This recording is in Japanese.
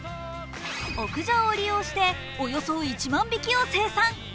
屋上を利用しておよそ１万匹を生産。